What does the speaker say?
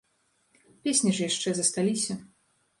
Песні ж яшчэ засталіся.